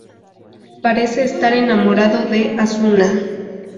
Parece estar enamorado de Asuna.